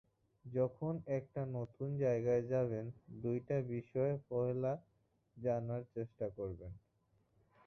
যখন একটা নতুন জায়গায় যাবেন, দুইটা বিষয় পয়লা জানার চেষ্টা করবেন।